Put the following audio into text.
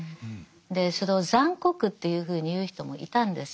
でそれを残酷というふうに言う人もいたんです。